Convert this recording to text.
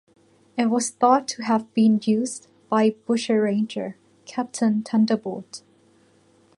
It was thought to have been used by bushranger Captain Thunderbolt.